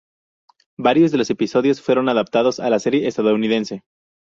Varios de los episodios fueron adaptados de la serie estadounidense.